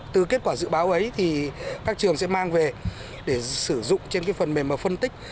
từ kết quả dự báo ấy thì các trường sẽ mang về để sử dụng trên cái phần mềm phân tích